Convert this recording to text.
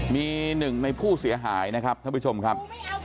มีหนึ่งในผู้เสียหายนะครับท่านผู้ชมครับ